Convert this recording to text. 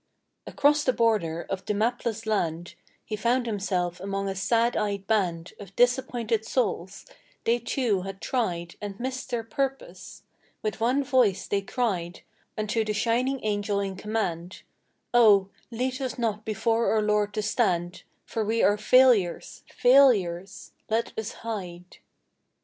Across the border of the mapless land He found himself among a sad eyed band Of disappointed souls; they, too, had tried And missed their purpose. With one voice they cried Unto the shining Angel in command: 'Oh, lead us not before our Lord to stand, For we are failures, failures! Let us hide.